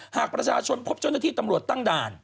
หากประชาชนพบเจ้าหน้าที่ตำรวจตั้งด่าน